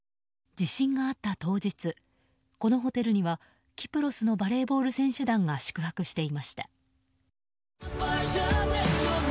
地震があった当日このホテルにはキプロスのバレーボール選手団が宿泊していました。